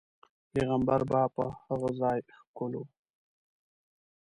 پیغمبر به په هغه ځاې ښکلو.